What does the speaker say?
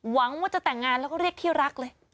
หวังว่าจะแต่งงานแล้วก็เรียกที่รักเลย